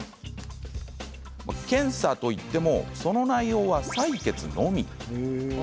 検査といってもその内容は採血のみ。